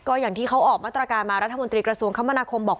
ก็อย่างที่เขาออกมาตรการมารัฐมนตรีกระทรวงคมนาคมบอก